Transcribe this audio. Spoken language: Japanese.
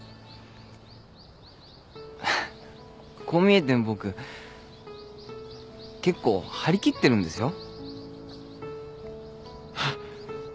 こう見えても僕結構張り切ってるんですよ。